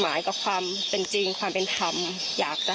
พี่น้องวาหรือว่าน้องวาหรือ